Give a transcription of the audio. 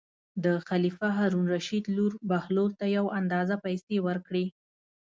د خلیفه هارون الرشید لور بهلول ته یو اندازه پېسې ورکړې.